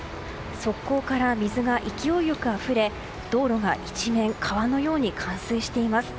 側溝から水が勢いよくあふれ道路が一面川のように冠水しています。